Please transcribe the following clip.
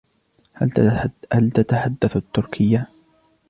هل تتحدث التركية؟